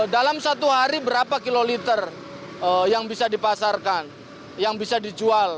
dalam satu hari berapa kiloliter yang bisa dipasarkan yang bisa dijual